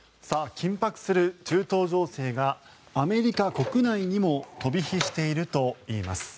緊迫する中東情勢がアメリカ国内にも飛び火しているといいます。